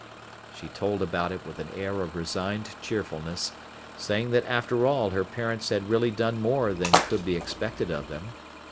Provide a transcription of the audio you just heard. She told about it with an air of resigned cheerfulness, saying that after all her parents had really done more than could be expected of them.